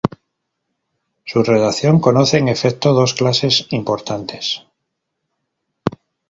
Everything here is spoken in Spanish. Su redacción conoce, en efecto, dos fases importantes.